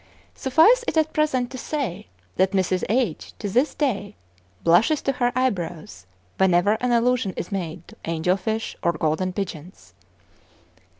Suffice it at present to say, that Mrs. H. to this day "blushes to her eyebrows" whenever an allusion is made to "Angel Fish" or "Golden Pigeons."